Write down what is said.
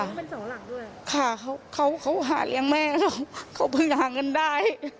เขาเป็นเสาหลักด้วยค่ะเขาเขาหาเลี้ยงแม่เขาเขาเพิ่งหาเงินได้